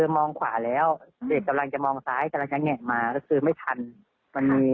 มองขวาแล้วเด็กกำลังจะมองซ้ายเกือบกะแงะมา